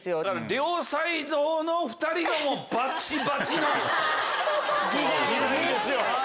両サイドの２人がもうバチバチの時代ですよ。